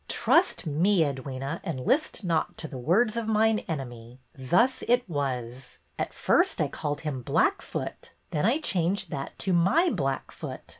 '' Trust me, Edwyna, and list not to the words of mine enemy. Thus it was. At first I called him ' Black foot.' Then I changed that to ' My black foot.